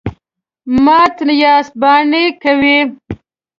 _مات ياست، بانې کوئ.